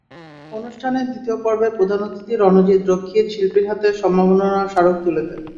অনুষ্ঠানের দ্বিতীয় পর্বে প্রধান অতিথি রণজিৎ রক্ষিত শিল্পীর হাতে সম্মাননা স্মারক তুলে দেন।